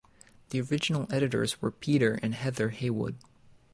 The original editors were Peter and Heather Heywood.